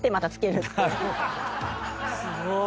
すごーい。